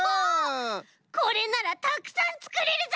これならたくさんつくれるぞ！